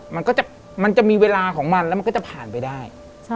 มันก็จะมีเวลาของมันแล้วมันก็จะผ่านไปได้